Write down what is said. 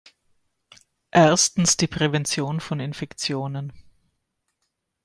Erstens die Prävention von Infektionen.